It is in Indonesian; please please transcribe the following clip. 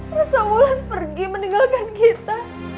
rasamulan pergi meninggalkan kita